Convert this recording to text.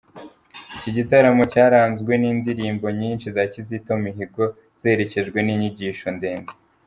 Iki gitaramo cyaranzwe n’indirimbo nyinshi za Kizito Mihigo, ziherekejwe n’inyigisho ndende.